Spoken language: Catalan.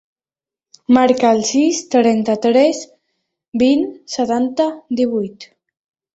Marca el sis, trenta-tres, vint, setanta, divuit.